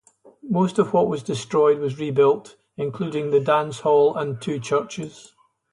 Most of what was destroyed was rebuilt, including the dance hall and two churches.